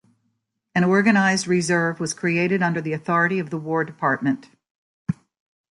An organized reserve was created under the authority of the War Department.